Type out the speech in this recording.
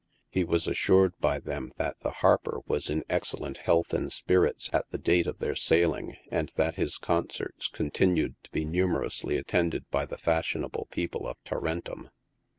He was assured by them that the harper was in excellent health and spirits at the date of their sailing, and that his concerts continued to be numerously attended by the fashionable people of Tarcntum.